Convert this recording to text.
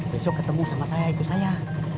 besok ketemu sama saya ibu saya